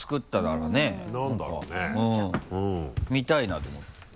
見たいなと思って。